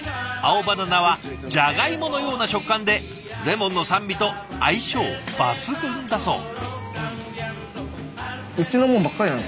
青バナナはじゃがいものような食感でレモンの酸味と相性抜群だそう。